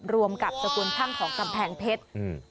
รวมกับสกุลช่างของกำแพงเพชร